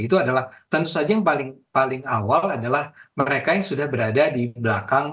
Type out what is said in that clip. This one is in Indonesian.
itu adalah tentu saja yang paling awal adalah mereka yang sudah berada di belakang